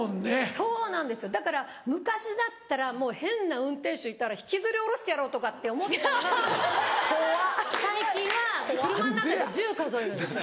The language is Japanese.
そうなんですよだから昔だったらもう変な運転手いたら引きずり降ろしてやろうとかって思ってたのが最近は車の中で１０数えるんですよ。